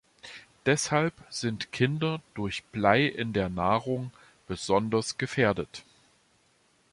Deshalb sind Kinder durch Blei in der Nahrung besonders gefährdet.